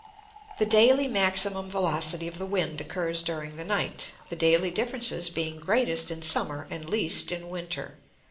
The daily maximum velocity of the wind occurs during the night, the daily differences being greatest in summer and least in winter.